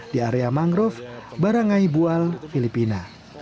di area mangrove baranggai bual filipina